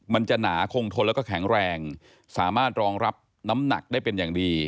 มันจะหนาคงทนแล้วก็แข็งแรงสามารถรองรับน้ำหนักได้เป็นอย่างดี